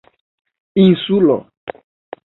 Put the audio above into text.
insulo